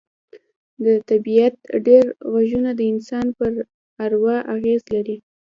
د طبیعت ډېر غږونه د انسان پر اروا اغېز لري